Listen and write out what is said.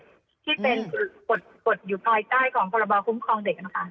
ที่เป็นกฎอยู่ภายใต้ของพรบคุ้มครองเด็กนะคะ